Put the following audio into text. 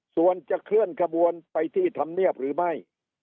ส่วนจะเคลื่อนขบวนไปที่ธรรมเนียบหรือไม่